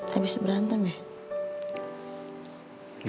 habis berantem ya